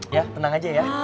ya tenang aja ya